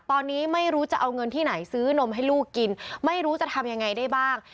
ตอนนี้ไม่รู้จะเอาเงินที่ไหนซื้อนมให้ลูกกินไม่รู้จะทำยังไงได้บ้าง